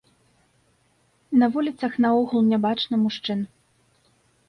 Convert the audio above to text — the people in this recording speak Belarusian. На вуліцах наогул нябачна мужчын.